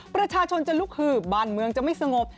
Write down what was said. ประชาชนจะลุกฮือบ้านเมืองจะไม่สงบ